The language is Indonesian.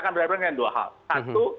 akan berhadapan dengan dua hal satu